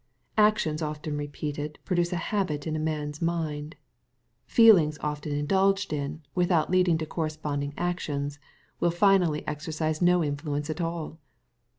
Actions often repeated produce a habit in man's mind. Feelings often indulged in, without leading to corresponding actions^ will finally exercise no influence at all.